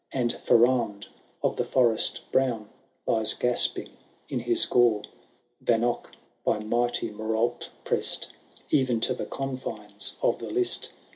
And Ferrand of the Forest Brown Lies gasping in his gore. Vanoc, by mighty Morolt pressed Even to the confines of the list.